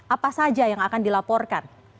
apa saja yang akan dilaporkan